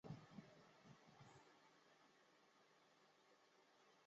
淡武廊县是一块被马来西亚砂拉越割开的飞地。